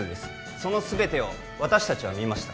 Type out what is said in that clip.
その全てを私達は見ました